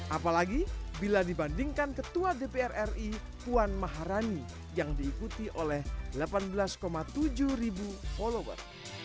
apalagi bila dibandingkan ketua dpr ri puan maharani yang diikuti oleh delapan belas tujuh ribu follower